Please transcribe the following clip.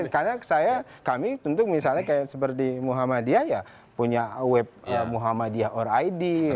karena saya kami tentu misalnya seperti muhammadiyah ya punya web muhammadiyah org id dan segala macam